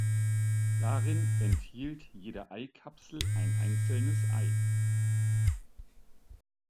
Darin enthielt jede Eikapsel ein einzelnes Ei.